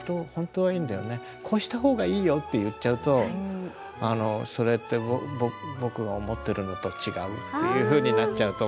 「こうした方がいいよ」って言っちゃうとそれって僕が思ってるのと違うっていうふうになっちゃうと思うよ。